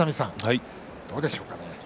どうでしょうかね？